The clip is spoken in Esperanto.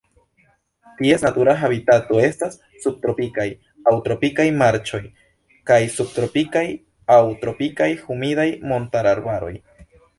Ties natura habitato estas subtropikaj aŭ tropikaj marĉoj kaj subtropikaj aŭ tropikaj humidaj montararbaroj.